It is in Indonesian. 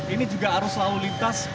ini juga harus selalu lintas